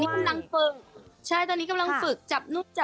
นี่อะไรอย่างเงี้ยแล้วก็เอาเข้ามา